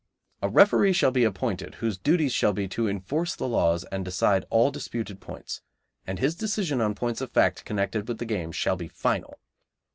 A referee shall be appointed, whose duties shall be to enforce the laws and decide all disputed points; and his decision on points of fact connected with the game shall be final.